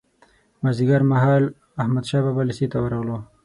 مازیګر مهال احمدشاه بابا لېسې ته ورغلو.